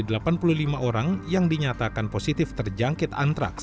dalam kejala dari delapan puluh lima orang yang dinyatakan positif terjangkit antraks